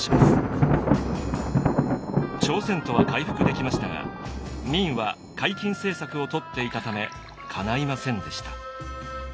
朝鮮とは回復できましたが明は海禁政策をとっていたためかないませんでした。